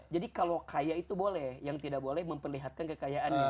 jadi kalau kaya itu boleh yang tidak boleh memperlihatkan kekayaan